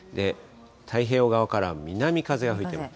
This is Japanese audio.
太平洋側から南風が吹いてる。